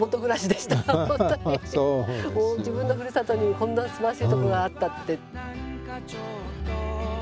自分のふるさとにこんなすばらしいところがあったって。